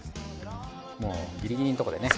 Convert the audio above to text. もうギリギリのとこでね。